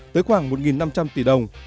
tới khoảng một năm trăm linh tỷ đồng